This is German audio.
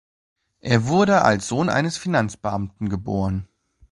Er wurde als Sohn eines Finanzbeamten geboren.